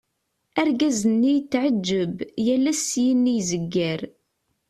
Argaz-nni yetɛeğğeb, yal ass syin i zegger.